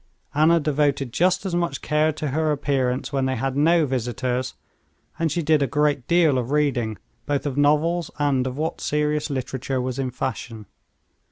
Anna devoted just as much care to her appearance when they had no visitors, and she did a great deal of reading, both of novels and of what serious literature was in fashion.